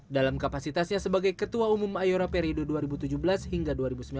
dalam kapasitasnya sebagai ketua umum iora periode dua ribu tujuh belas hingga dua ribu sembilan belas